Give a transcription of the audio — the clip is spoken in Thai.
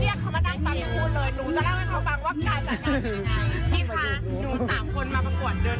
ปีหน้าถ้าไม่ได้ฟังต่อคุณพูดเขาก็จะทำเหมือนเดิม